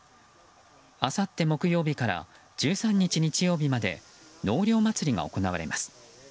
あさって木曜日から１３日、日曜日まで納涼祭りがおこなわれます。